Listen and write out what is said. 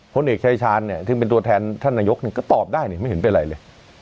คนเอกชายชาญเนี้ยที่เป็นตัวแทนท่านนายกเนี้ยก็ตอบได้เนี้ยไม่เห็นเป็นอะไรเลย